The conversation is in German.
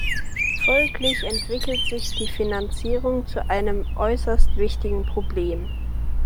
Folglich entwickelt sich die Finanzierung zu einem äußerst wichtigen Problem.